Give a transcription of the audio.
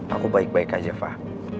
aku baik baik aja fah